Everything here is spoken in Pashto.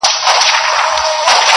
چي زما په لورې بيا د دې نجلۍ قدم راغی,